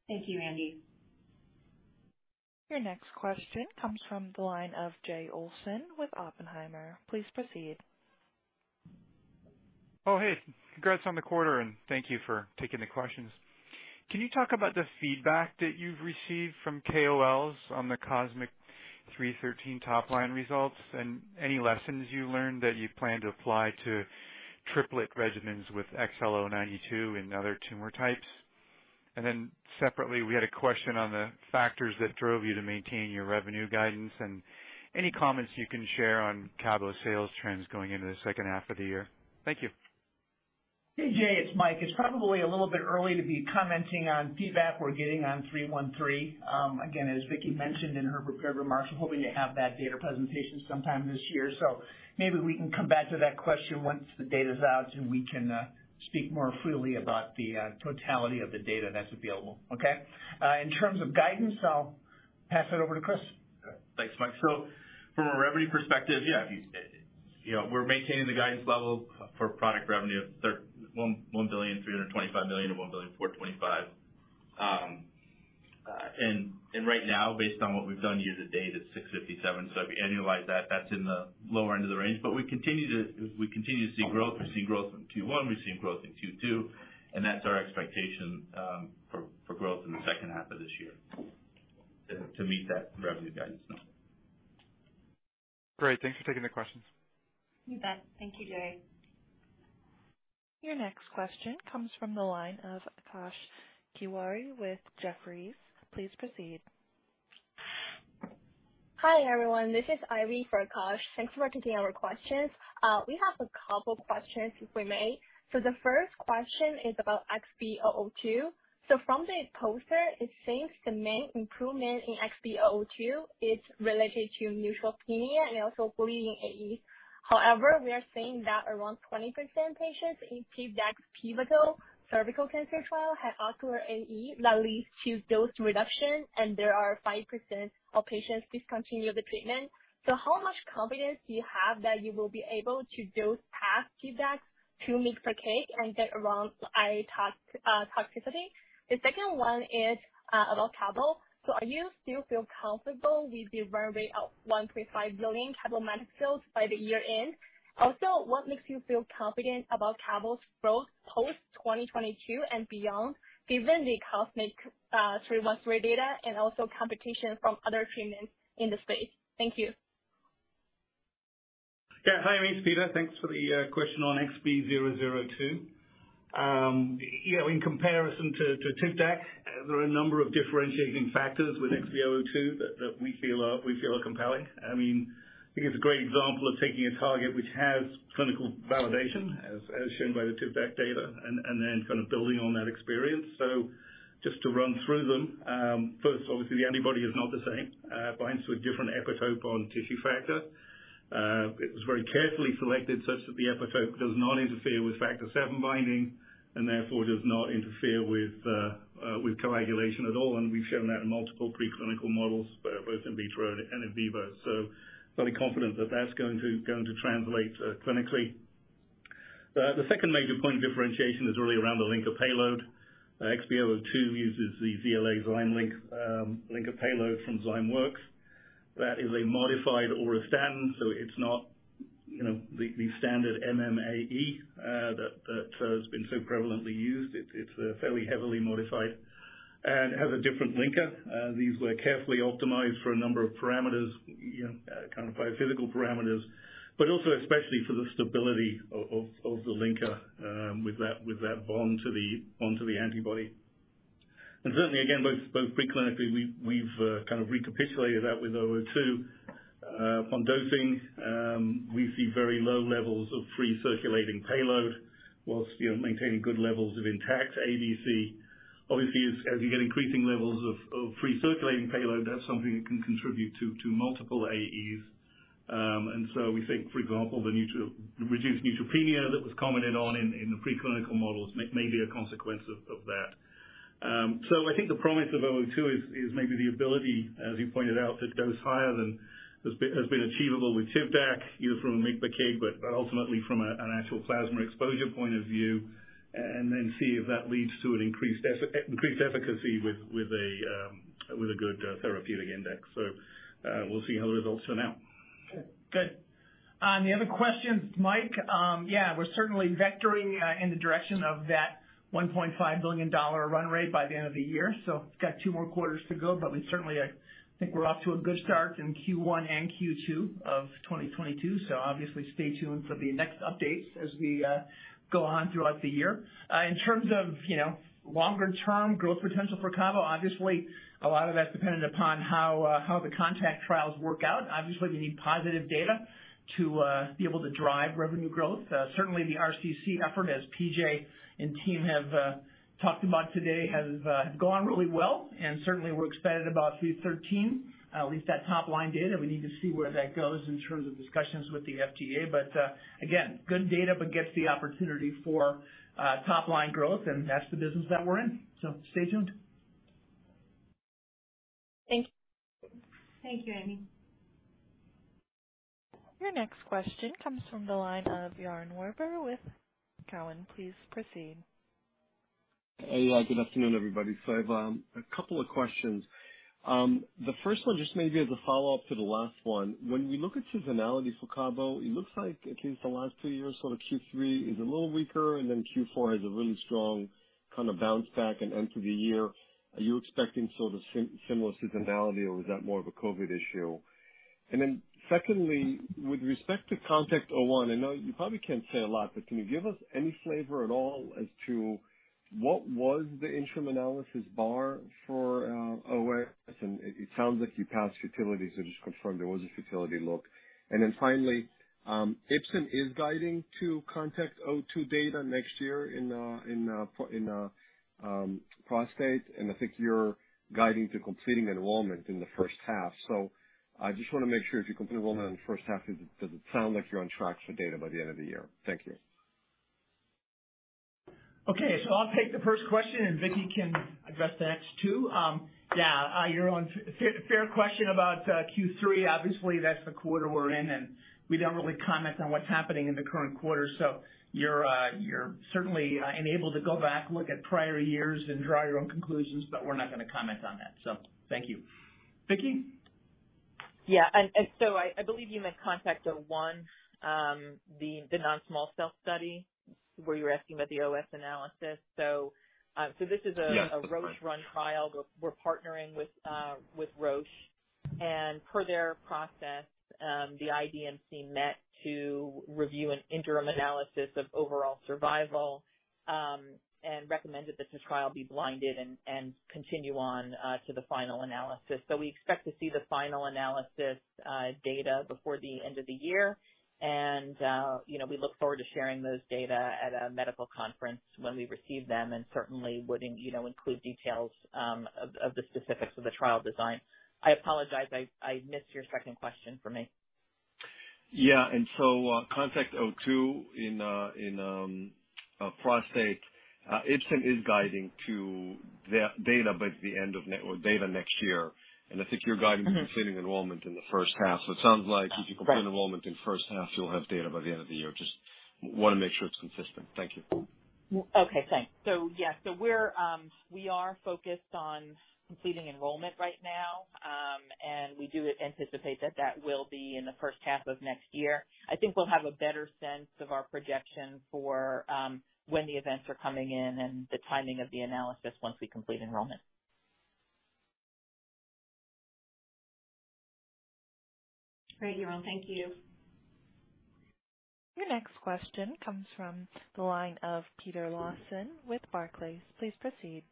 Thank you, Randy. Your next question comes from the line of Jay Olson with Oppenheimer. Please proceed. Oh, hey. Congrats on the quarter, and thank you for taking the questions. Can you talk about the feedback that you've received from KOLs on the COSMIC-313 top line results, and any lessons you learned that you plan to apply to triplet regimens with XL092 in other tumor types? Separately, we had a question on the factors that drove you to maintain your revenue guidance, and any comments you can share on cabo sales trends going into the second half of the year. Thank you. Hey, Jay, it's Mike. It's probably a little bit early to be commenting on feedback we're getting on COSMIC-313. Again, as Vicki mentioned in her prepared remarks, we're hoping to have that data presentation sometime this year. Maybe we can come back to that question once the data's out, and we can speak more freely about the totality of the data that's available. Okay? In terms of guidance, I'll pass it over to Chris. Thanks, Mike. From a revenue perspective, yeah, if you... You know, we're maintaining the guidance level for product revenue of $1.325 billion-$1.425 billion. And right now, based on what we've done year to date, it's $657 million. If you annualize that's in the lower end of the range. We continue to see growth. We've seen growth in Q1, we've seen growth in Q2, and that's our expectation for growth in the second half of this year to meet that revenue guidance now. Great. Thanks for taking the questions. You bet. Thank you, Jay. Your next question comes from the line of Akash Tewari with Jefferies. Please proceed. Hi, everyone. This is Ivy for Akash. Thanks for taking our questions. We have a couple questions, if we may. The first question is about XB002. From the poster, it seems the main improvement in XB002 is related to neutropenia and also bleeding AEs. However, we are seeing that around 20% patients in TIVDAK pivotal cervical cancer trial had ocular AE that leads to dose reduction, and there are 5% of patients discontinue the treatment. How much confidence do you have that you will be able to dose past TIVDAK 2 mg/kg and get around low tox, toxicity? The second one is about cabo. Are you still feel comfortable with the run rate of $1.5 billion Cabometyx sales by the year-end? Also, what makes you feel confident about cabo's growth post-2022 and beyond, given the COSMIC-313 data and also competition from other treatments in the space? Thank you. Yeah. Hi, Ivy. It's Peter. Thanks for the question on XB002. You know, in comparison to TIVDAK, there are a number of differentiating factors with XB002 that we feel are compelling. I mean, I think it's a great example of taking a target which has clinical validation, as shown by the TIVDAK data, and then kind of building on that experience. Just to run through them, first, obviously, the antibody is not the same. It binds to a different epitope on tissue factor. It was very carefully selected such that the epitope does not interfere with factor VII binding and therefore does not interfere with coagulation at all, and we've shown that in multiple preclinical models, both in vitro and in vivo. Fairly confident that that's going to translate clinically. The second major point of differentiation is really around the linker payload. XB002 uses the ZymeLink linker payload from Zymeworks. That is a modified auristatin, so it's not, you know, the standard MMAE that has been so prevalently used. It's fairly heavily modified and has a different linker. These were carefully optimized for a number of parameters, you know, kind of biophysical parameters, but also especially for the stability of the linker with that bond to the antibody. Certainly, again, both preclinically, we've kind of recapitulated that with 002. Upon dosing, we see very low levels of free circulating payload whilst, you know, maintaining good levels of intact ADC. Obviously, as you get increasing levels of free circulating payload, that's something that can contribute to multiple AEs. We think, for example, the reduced neutropenia that was commented on in the preclinical models may be a consequence of that. I think the promise of 002 is maybe the ability, as you pointed out, to dose higher than has been achievable with TIVDAK, you know, from a mg per kg, but ultimately from an actual plasma exposure point of view, and then see if that leads to an increased efficacy with a good therapeutic index. We'll see how the results turn out. Okay. Good. On the other questions, Mike, yeah, we're certainly vectoring in the direction of that $1.5 billion run rate by the end of the year, so we've got two more quarters to go. We certainly, I think we're off to a good start in Q1 and Q2 of 2022. Obviously stay tuned for the next updates as we go on throughout the year. In terms of, you know, longer term growth potential for cabo, obviously a lot of that's dependent upon how the contact trials work out. Obviously, we need positive data to be able to drive revenue growth. Certainly the RCC effort, as P.J. and team have talked about today, has gone really well, and certainly we're excited about 313, at least that top line data. We need to see where that goes in terms of discussions with the FDA. Again, good data begets the opportunity for top line growth, and that's the business that we're in. Stay tuned. Thank you. Thank you, Ivy. Your next question comes from the line of Yaron Werber with Cowen. Please proceed. Hey, good afternoon, everybody. I have a couple of questions. The first one just maybe as a follow-up to the last one. When we look at seasonality for cabo, it looks like at least the last two years, sort of Q3 is a little weaker and then Q4 has a really strong kind of bounce back and end to the year. Are you expecting sort of similar seasonality or was that more of a COVID issue? Secondly, with respect to CONTACT-01, I know you probably can't say a lot, but can you give us any flavor at all as to what was the interim analysis bar for OS? It sounds like you passed futility, so just confirm there was a futility look. Ipsen is guiding to CONTACT-02 data next year in prostate, and I think you're guiding to completing enrollment in the first half. I just wanna make sure if you complete enrollment in the first half, does it sound like you're on track for data by the end of the year? Thank you. Okay. I'll take the first question and Vicky can address the next two. Yaron, fair question about Q3. Obviously, that's the quarter we're in, and we don't really comment on what's happening in the current quarter. You're certainly enabled to go back, look at prior years and draw your own conclusions, but we're not gonna comment on that. Thank you. Vicky? I believe you meant CONTACT-01, the non-small cell study where you were asking about the OS analysis. This is a- Yes, that's right. A Roche-run trial. We're partnering with Roche. Per their process, the IDMC met to review an interim analysis of overall survival and recommended that the trial be blinded and continue on to the final analysis. We expect to see the final analysis data before the end of the year. You know, we look forward to sharing those data at a medical conference when we receive them, and certainly wouldn't you know, include details of the specifics of the trial design. I apologize, I missed your second question for me. Yeah. CONTACT-02 in prostate, Ipsen is guiding to the data by the end of next or data next year. I think you're guiding- Mm-hmm. To completing enrollment in the first half. It sounds like- Right. If you complete enrollment in the first half, you'll have data by the end of the year. Just wanna make sure it's consistent. Thank you. Okay, thanks. Yeah, we're focused on completing enrollment right now. We do anticipate that will be in the first half of next year. I think we'll have a better sense of our projection for when the events are coming in and the timing of the analysis once we complete enrollment. Great, Yaron. Thank you. Your next question comes from the line of Peter Lawson with Barclays. Please proceed.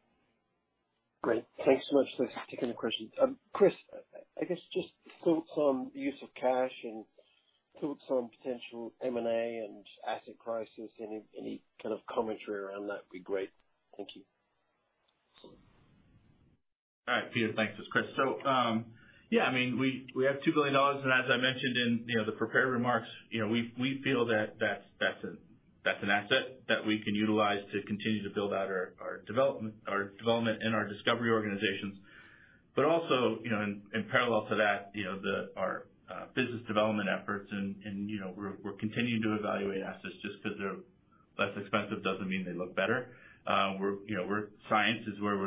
Great. Thanks so much. Thanks for taking the question. Chris, I guess just thoughts on use of cash and thoughts on potential M&A and asset prices. Any kind of commentary around that would be great. Thank you. All right, Peter. Thanks. This is Chris. Yeah, I mean, we have $2 billion and as I mentioned in, you know, the prepared remarks, you know, we feel that that's an asset that we can utilize to continue to build out our development and our discovery organizations. Also, you know, in parallel to that, you know, our business development efforts and, you know, we're continuing to evaluate assets. Just because they're less expensive doesn't mean they look better. We're, you know, science is where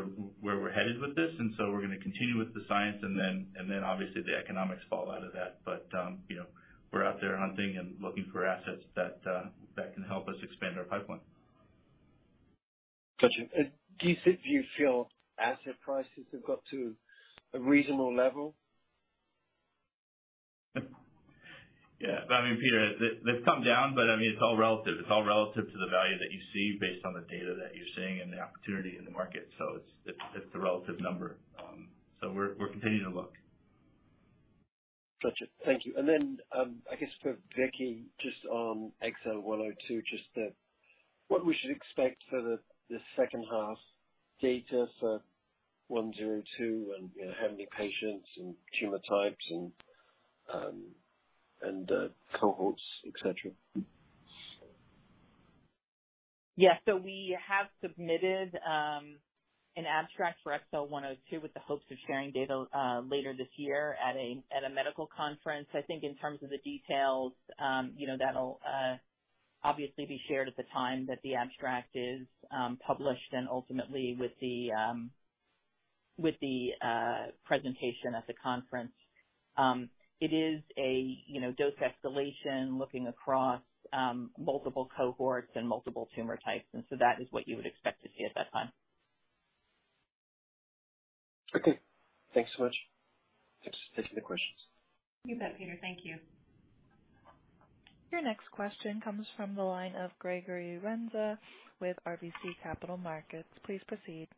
we're headed with this, and so we're gonna continue with the science and then obviously the economics fall out of that. You know, we're out there hunting and looking for assets that can help us expand our pipeline. Gotcha. Do you think, do you feel asset prices have got to a reasonable level? Yeah. I mean, Peter, they've come down, but I mean, it's all relative. It's all relative to the value that you see based on the data that you're seeing and the opportunity in the market. It's a relative number. We're continuing to look. Gotcha. Thank you. I guess for Vicky, just on XL102, just what we should expect for the second half data for 102 and, you know, how many patients and tumor types and cohorts, et cetera. Yeah. We have submitted an abstract for XL102 with the hopes of sharing data later this year at a medical conference. I think in terms of the details, you know, that'll obviously be shared at the time that the abstract is published and ultimately with the presentation at the conference. It is a you know, dose escalation looking across multiple cohorts and multiple tumor types, and so that is what you would expect to see at that time. Okay. Thanks so much. Those are the questions. You bet, Peter. Thank you. Your next question comes from the line of Gregory Renza with RBC Capital Markets. Please proceed.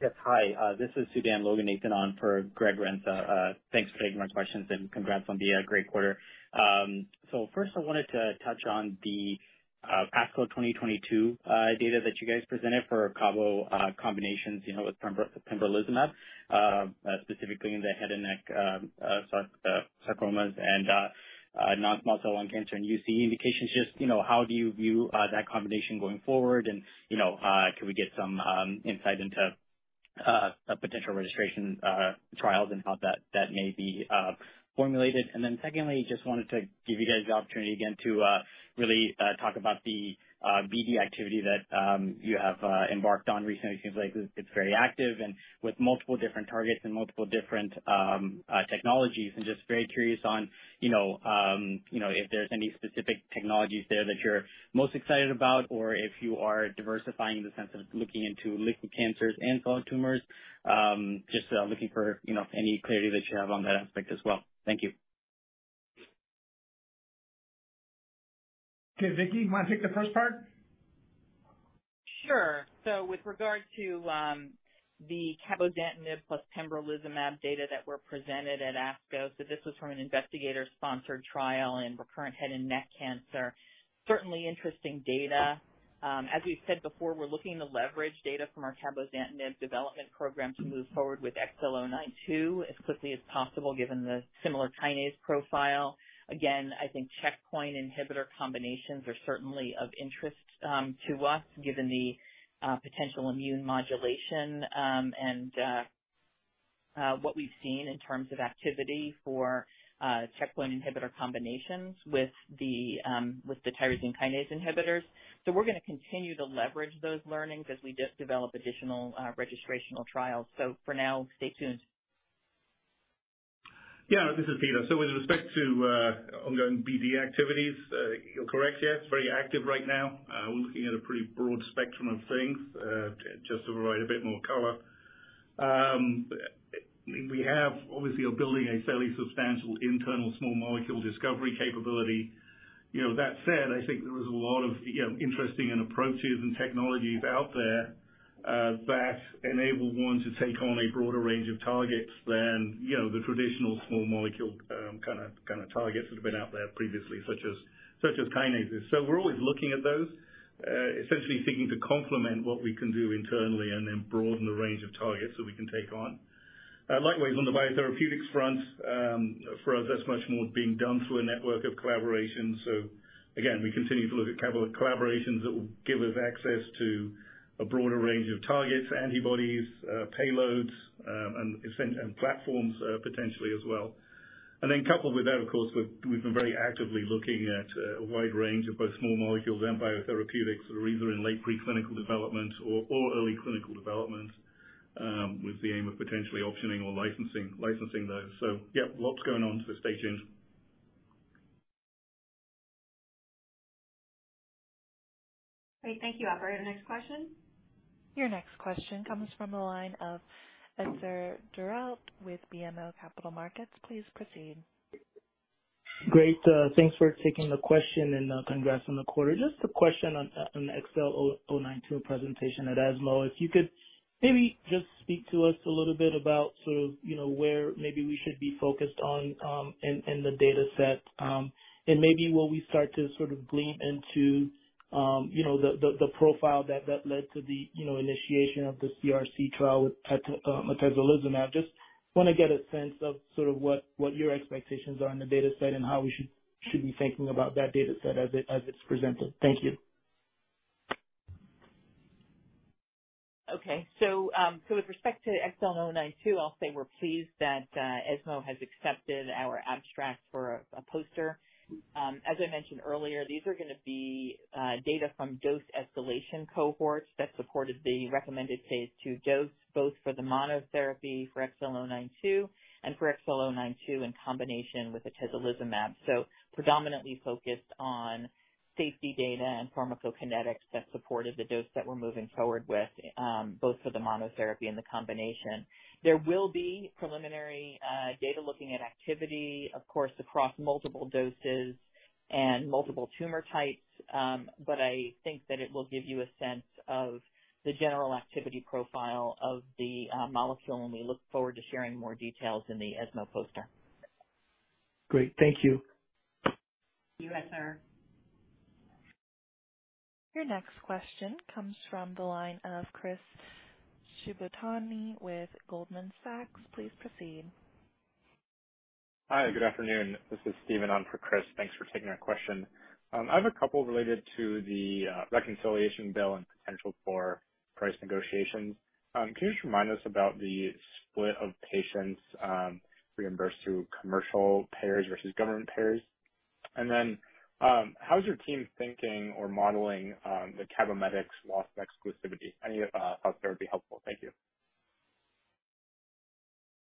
Yes. Hi. This is Sudan Loganathan on for Greg Renza. Thanks for taking my questions and congrats on the great quarter. First I wanted to touch on the ASCO 2022 data that you guys presented for cabo combinations, you know, with pembrolizumab, specifically in the head and neck sarcomas and non-small cell lung cancer and UC indications. Just, you know, how do you view that combination going forward? You know, can we get some insight into a potential registration trials and how that may be formulated. Second, just wanted to give you guys the opportunity again to really talk about the BD activity that you have embarked on recently. It seems like it's very active and with multiple different targets and multiple different technologies. Just very curious on, you know, you know, if there's any specific technologies there that you're most excited about or if you are diversifying in the sense of looking into liquid cancers and solid tumors. Just looking for, you know, any clarity that you have on that aspect as well. Thank you. Okay, Vicki, you wanna take the first part? Sure. With regard to the cabozantinib plus pembrolizumab data that were presented at ASCO, this was from an investigator-sponsored trial in recurrent head and neck cancer. Certainly interesting data. As we've said before, we're looking to leverage data from our cabozantinib development program to move forward with XL092 as quickly as possible, given the similar kinase profile. Again, I think checkpoint inhibitor combinations are certainly of interest to us, given the potential immune modulation and what we've seen in terms of activity for checkpoint inhibitor combinations with the tyrosine kinase inhibitors. We're gonna continue to leverage those learnings as we develop additional registrational trials. For now, stay tuned. Yeah, this is Peter. With respect to ongoing BD activities, you're correct, yeah, it's very active right now. We're looking at a pretty broad spectrum of things, just to provide a bit more color. I mean, we have obviously are building a fairly substantial internal small molecule discovery capability. You know, that said, I think there is a lot of, you know, interesting and approaches and technologies out there, that enable one to take on a broader range of targets than, you know, the traditional small molecule, kinda targets that have been out there previously, such as kinases. We're always looking at those, essentially seeking to complement what we can do internally and then broaden the range of targets that we can take on. Likewise on the biotherapeutics front, for us, that's much more being done through a network of collaborations. Again, we continue to look at collaborations that will give us access to a broader range of targets, antibodies, payloads, and platforms, potentially as well. Coupled with that, of course, we've been very actively looking at a wide range of both small molecules and biotherapeutics that are either in late preclinical development or early clinical development, with the aim of potentially optioning or licensing those. Yeah, lots going on, stay tuned. Great. Thank you. Operator, next question. Your next question comes from the line of Esther Rajavelu with BMO Capital Markets. Please proceed. Great. Thanks for taking the question and congrats on the quarter. Just a question on XL092 presentation at ESMO. If you could maybe just speak to us a little bit about sort of, you know, where maybe we should be focused on in the dataset, and maybe will we start to sort of glean into you know, the profile that led to the initiation of the CRC trial with atezolizumab. Just wanna get a sense of sort of what your expectations are on the dataset and how we should be thinking about that dataset as it's presented. Thank you. With respect to XL092, I'll say we're pleased that ESMO has accepted our abstract for a poster. As I mentioned earlier, these are gonna be data from dose escalation cohorts that supported the recommended phase II dose, both for the monotherapy for XL092 and for XL092 in combination with atezolizumab. Predominantly focused on safety data and pharmacokinetics that supported the dose that we're moving forward with, both for the monotherapy and the combination. There will be preliminary data looking at activity, of course, across multiple doses and multiple tumor types. I think that it will give you a sense of the general activity profile of the molecule, and we look forward to sharing more details in the ESMO poster. Great. Thank you. Thank you, Esther. Your next question comes from the line of Chris Shibutani with Goldman Sachs. Please proceed. Hi, good afternoon. This is Steven on for Chris. Thanks for taking our question. I have a couple related to the reconciliation bill and potential for price negotiations. Can you just remind us about the split of patients reimbursed through commercial payers versus government payers? How is your team thinking or modeling the Cabometyx loss of exclusivity? Any thoughts there would be helpful. Thank you.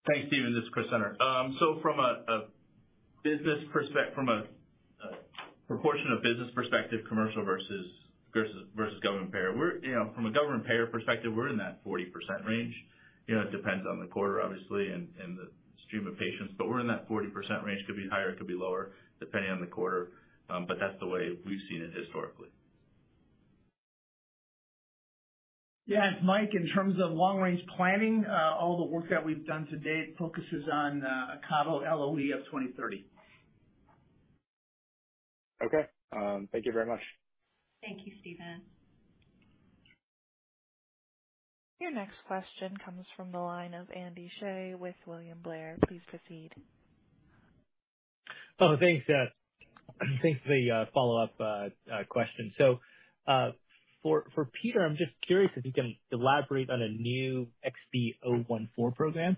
Thanks, Steven. This is Chris Senner. From a proportion of business perspective, commercial versus government payer, from a government payer perspective, we're in that 40% range. You know, it depends on the quarter obviously and the stream of patients, but we're in that 40% range. Could be higher, could be lower, depending on the quarter. That's the way we've seen it historically. Yeah. Mike, in terms of long range planning, all the work that we've done to date focuses on a cabo LOE of 2030. Okay. Thank you very much. Thank you, Steven. Your next question comes from the line of Andy Shah with William Blair. Please proceed. Thanks for the follow-up question. So, for Peter, I'm just curious if you can elaborate on a new XB014 program.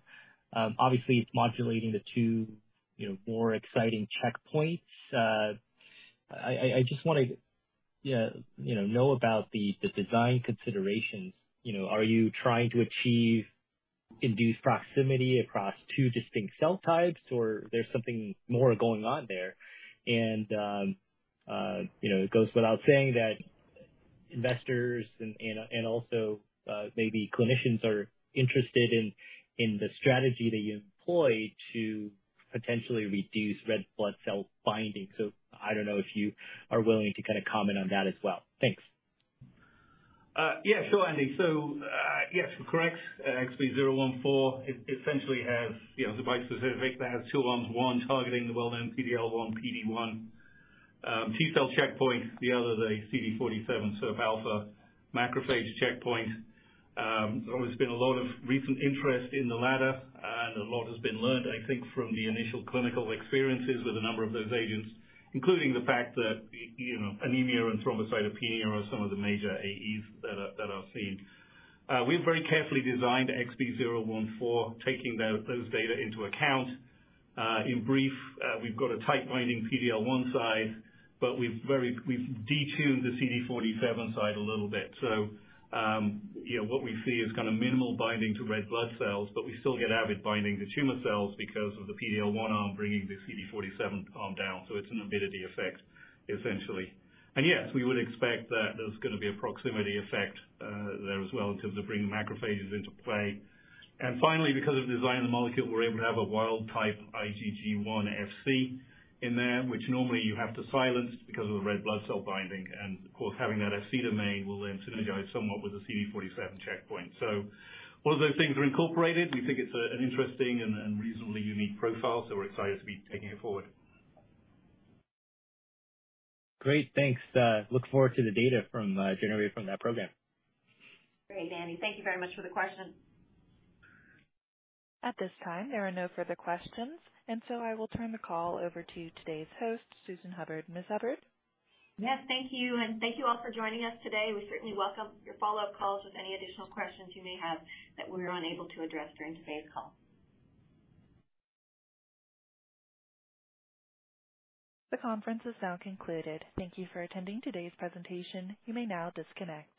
Obviously, it's modulating the two, you know, more exciting checkpoints. I just wanna know about the design considerations. You know, are you trying to achieve induced proximity across two distinct cell types, or there's something more going on there? You know, it goes without saying that investors and also maybe clinicians are interested in the strategy that you employ to potentially reduce red blood cell binding. So I don't know if you are willing to kinda comment on that as well. Thanks. Yeah, sure, Andy. Yes, you're correct. XB014 essentially has, you know, the bispecific that has two arms, one targeting the well-known PD-L1/PD-1 T-cell checkpoint, the other the CD47 SIRPα macrophage checkpoint. There's always been a lot of recent interest in the latter, and a lot has been learned, I think, from the initial clinical experiences with a number of those agents, including the fact that you know, anemia and thrombocytopenia are some of the major AEs that are seen. We've very carefully designed XB014, taking those data into account. In brief, we've got a tight binding PD-L1 side, but we've detuned the CD47 side a little bit. You know, what we see is kinda minimal binding to red blood cells, but we still get avid binding to tumor cells because of the PD-L1 arm bringing the CD47 arm down, so it's an avidity effect, essentially. Yes, we would expect that there's gonna be a proximity effect there as well in terms of bringing macrophages into play. Finally, because of the design of the molecule, we're able to have a wild type IgG1 FC in there, which normally you have to silence because of the red blood cell binding. Of course, having that FC domain will then synergize somewhat with the CD47 checkpoint. All of those things are incorporated. We think it's an interesting and reasonably unique profile, so we're excited to be taking it forward. Great. Thanks. Look forward to the data generated from that program. Great, Andy. Thank you very much for the question. At this time, there are no further questions, and so I will turn the call over to today's host, Susan Hubbard. Ms. Hubbard? Yes, thank you, and thank you all for joining us today. We certainly welcome your follow-up calls with any additional questions you may have that we were unable to address during today's call. The conference is now concluded. Thank you for attending today's presentation. You may now disconnect.